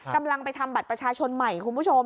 กำลังไปทำบัตรประชาชนใหม่คุณผู้ชม